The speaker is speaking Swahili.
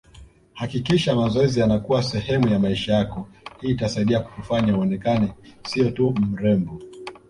Hakikisha mazoezi yanakuwa sehemu ya maisha yako hii itasaidia kukufanya uonekane siyo tu mrembo